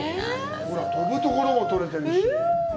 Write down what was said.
ほら、飛ぶところも撮れてるし。